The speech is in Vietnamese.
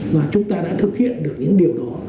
mà chúng ta đã thực hiện được những điều đó